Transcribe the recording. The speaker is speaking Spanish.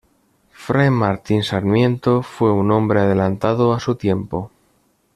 Fray Martín Sarmiento fue un hombre adelantado a su tiempo.